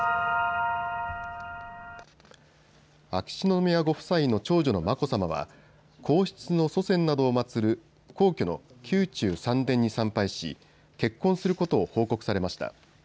秋篠宮ご夫妻の長女の眞子さまは皇室の祖先などを祭る皇居の宮中三殿に参拝し、結婚することを報告されました。